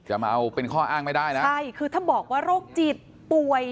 มาเอาเป็นข้ออ้างไม่ได้นะใช่คือถ้าบอกว่าโรคจิตป่วย